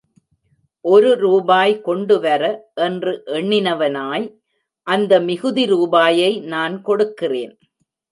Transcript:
ஒரு ரூபாய் கொண்டு வர! என்று எண்ணினவனாய், அந்த மிகுதி ரூபாயை நான் கொடுக்கிறேன்!